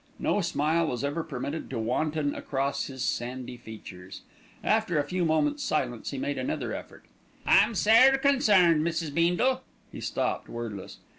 No smile was ever permitted to wanton across his sandy features. After a few moments' silence he made another effort. "I'm sair consairned, Mrs. Beendle " He stopped, wordless.